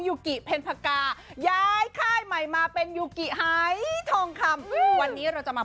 ยูกิเพ็ญพกาย้ายค่ายใหม่มาเป็นยูกิหายทองคำวันนี้เราจะมา